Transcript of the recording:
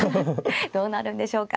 どうなるんでしょうか。